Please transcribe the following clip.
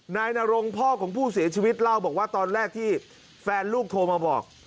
นายนรงพ่อของผู้เสียชีวิตเล่าบอกว่าตอนแรกที่แฟนลูกโทรมาบอก